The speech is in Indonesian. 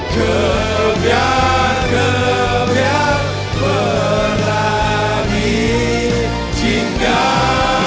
gebiar gebiar pelagi cinggah